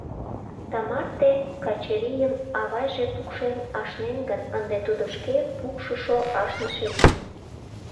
Тымарте Качырийым аваже пукшен ашнен гын, ынде тудо шке пукшышо ашныше лийын.